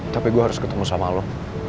tapi gue harus ketemu sama lo